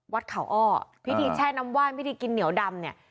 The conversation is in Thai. วัดเขาอ้อพิธีแช่น้ำว่านพิธีกินเหนียวดำเนี่ย